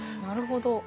なるほど。